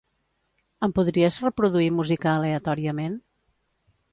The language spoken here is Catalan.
Em podries reproduir música aleatòriament?